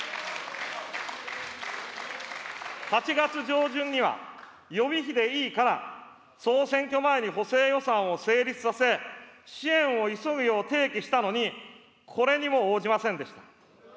８月上旬には、予備費でいいから総選挙前に補正予算を成立させ、支援を急ぐよう提起したのに、これにも応じませんでした。